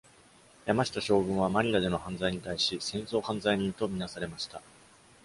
山下将軍はマニラでの犯罪に対し、戦争犯罪人と見なされました。